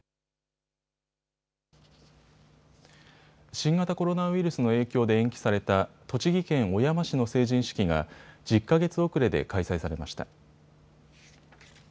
新型コロナウイルスの影響で延期された栃木県小山市の成人式が１０か月遅れで開催されました。